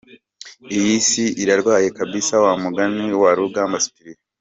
Iyi si irarwaye kabisa wa mugani wa Rugamba Cyprien.